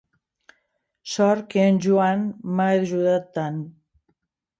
Sort que en Joan m'ha ajudat tant.